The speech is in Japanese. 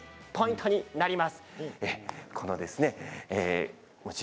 ポイントになります。